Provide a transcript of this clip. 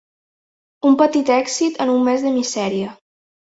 Un petit èxit en un mes de misèria.